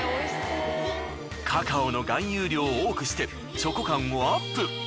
カカオの含有量を多くしてチョコ感をアップ。